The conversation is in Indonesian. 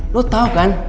lo tau kan